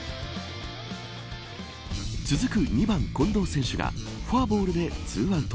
続く２番、近藤選手がフォアボールで２アウト。